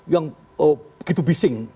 yang begitu bising